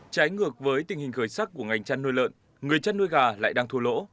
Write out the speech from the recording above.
trái ngược với tình hình khởi sắc của ngành chăn nuôi lợn người chăn nuôi gà lại đang thua lỗ